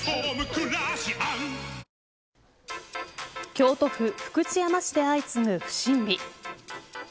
京都府福知山市で相次ぐ不審火。